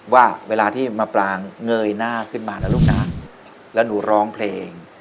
ว่าเวลาที่มะปรางเงยหน้าขึ้นมานะลูกนะแล้วหนูร้องเพลง